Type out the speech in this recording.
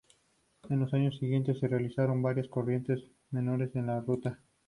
En los años siguientes se realizaron varias correcciones menores en la ruta.